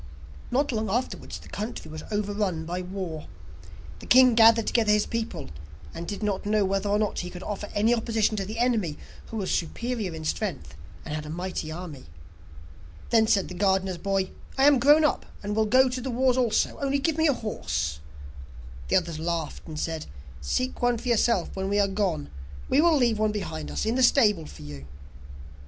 Not long afterwards, the country was overrun by war. The king gathered together his people, and did not know whether or not he could offer any opposition to the enemy, who was superior in strength and had a mighty army. Then said the gardener's boy: 'I am grown up, and will go to the wars also, only give me a horse.' The others laughed, and said: 'Seek one for yourself when we are gone, we will leave one behind us in the stable for you.